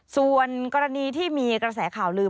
ส่วนกรณีที่มีกระแสข่าวลืม